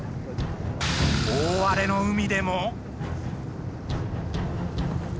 大荒れの海でも。